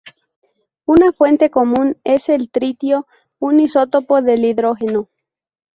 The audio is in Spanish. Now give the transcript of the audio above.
Una fuente común es el tritio, un isótopo del hidrógeno.